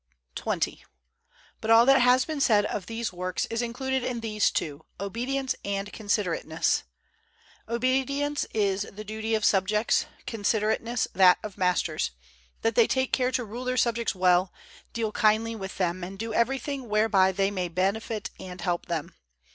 XX. But all that has been said of these works is included in these two, obedience and considerateness. Obedience is the duty of subjects, considerateness that of masters, that they take care to rule their subjects well, deal kindly with them, and do everything whereby they may benefit and help them.